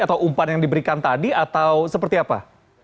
atau umpan yang diberikan tadi atau seperti apa